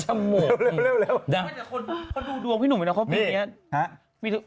ให้คนดูพี่หนุ่มเพื่อนเขาปีนี้